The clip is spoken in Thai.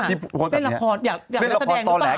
เป็นละครต่อแหล่เก่งได้แล้ว